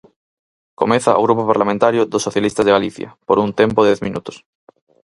Comeza o Grupo Parlamentario dos Socialistas de Galicia, por un tempo de dez minutos.